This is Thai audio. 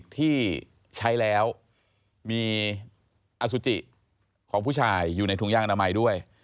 ที่ใช้แล้วมีอสุจิของผู้ชายอยู่ในถุงยางอนามัยด้วย